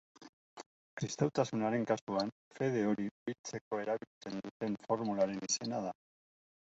Kristautasunaren kasuan, fede hori biltzeko erabiltzen duten formularen izena da.